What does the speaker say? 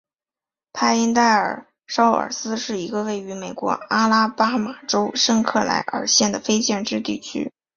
派因代尔绍尔斯是一个位于美国阿拉巴马州圣克莱尔县的非建制地区。